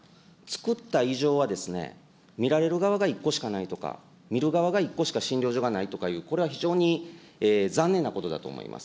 作った以上は、見られる側が１個しかないとか、見る側が１個しか診療所がないという、これは非常に残念なことだと思います。